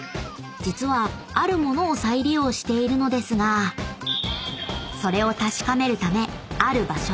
［実はある物を再利用しているのですがそれを確かめるためある場所へ］